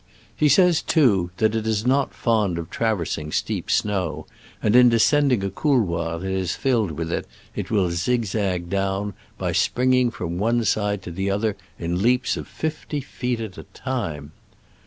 He says, too, that it is not fond of traversing steep snow, and in descending a couloir that is filled with it will zig zag down, by springing from one side to the other in leaps of fifty feet at a time